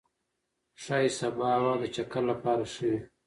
ښايي سبا هوا د چکر لپاره ښه وي.